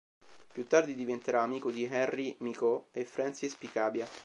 Più tardi diventerà amico di Henri Michaux e Francis Picabia.